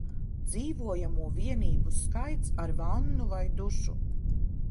Dzīvojamo vienību skaits ar vannu vai dušu